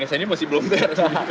saya ini masih belum tersambut